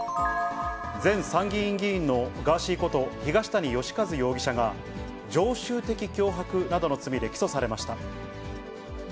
前参議院議員のガーシーこと、東谷義和容疑者が、常習的脅迫などの罪で起訴されました。